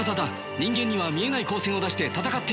人間には見えない光線を出して戦っているんだ。